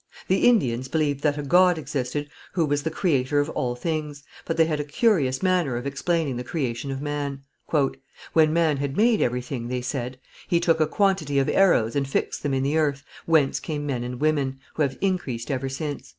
The Indians believed that a God existed who was the creator of all things, but they had a curious manner of explaining the creation of man. "When God had made everything," they said, "He took a quantity of arrows and fixed them in the earth, whence came men and women, who have increased ever since."